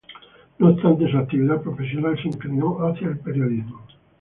No obstante, su actividad profesional se inclinó hacia el periodismo.